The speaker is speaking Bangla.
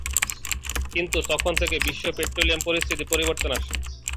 কিন্তু তখন থেকে বিশ্বে পেট্রোলিয়াম পরিস্থিতি পরিবর্তন আসে।